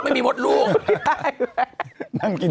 ไม่ได้เลย